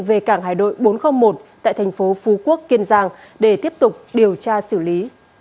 về cảng hải đội bốn trăm linh một tại thành phố phú quốc kiên giang để tiếp tục điều tra xử lý